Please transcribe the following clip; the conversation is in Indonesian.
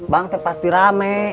bang temen pasti rame